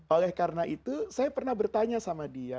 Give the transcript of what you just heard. oleh karena itu saya pernah bertanya sama dia